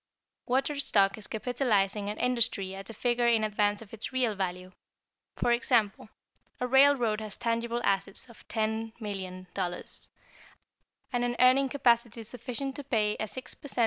Watered stock is capitalizing an industry at a figure in advance of its real value. For example: a railroad has tangible assets of $10,000,000, and an earning capacity sufficient to pay a 6 per cent.